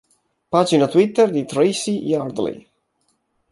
Pagina Twitter di Tracy Yardley